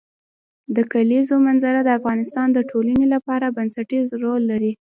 د کلیزو منظره د افغانستان د ټولنې لپاره بنسټيز رول لري.